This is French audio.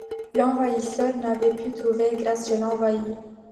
L’envahisseur n’avait pu trouver grâce chez l’envahi.